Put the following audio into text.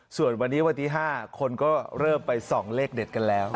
ส่วนวันนี้วันที่๕คนก็เริ่มไปส่องเลขเด็ดกันแล้ว